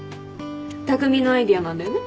匠のアイデアなんだよね。